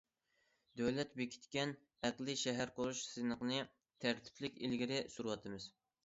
دۆلەت بېكىتكەن ئەقلىي شەھەر قۇرۇش سىنىقىنى تەرتىپلىك ئىلگىرى سۈرۈۋاتىمىز.